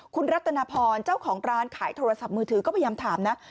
คุณรัตนพรเจ้าของร้านขายโทรศัพท์มือถือก็พยายามถามนะ